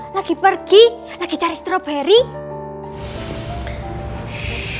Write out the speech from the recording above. lagi pergi lagi cari stroberi